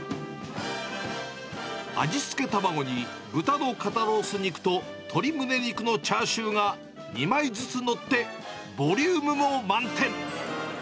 味付け卵に、豚の肩ロース肉と鶏むね肉のチャーシューが２枚ずつ載って、ボリュームも満点。